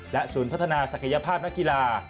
ศูนย์พัฒนาศักยภาพนักกีฬา